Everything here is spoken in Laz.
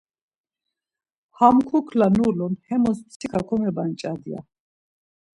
Ham kukla nulun, hamus mtsika komebanç̌at, ya.